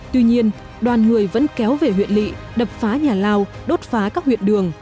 tuy nhiên đoàn người vẫn kéo về huyện lị đập phá nhà lao đốt phá các huyện đường